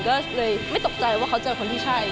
ก็เลยไม่ตกใจว่าเขาเจอคนที่ใช่